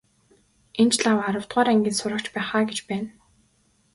Энэ ч лав аравдугаар ангийн сурагч байх аа гэж байна.